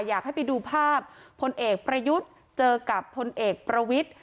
อยากให้ไปดูภาพพลเอกประยุทธ์เจอกับพลเอกประวิทธิ์